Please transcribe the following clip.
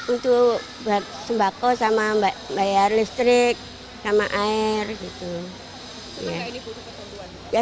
untuk buat sembako sama bayar listrik sama air gitu